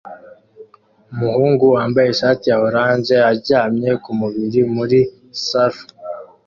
Umuhungu wambaye ishati ya orange aryamye kumubiri muri surf